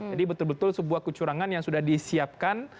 jadi betul betul sebuah kecurangan yang sudah disiapkan